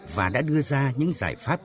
và đã đưa ra những giải pháp